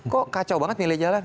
kok kacau banget milih jalan